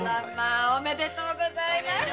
おめでとうございます。